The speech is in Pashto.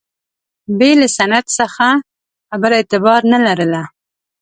بې له سند څخه خبره اعتبار نه لرله.